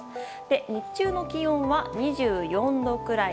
日中の気温は２４度くらい。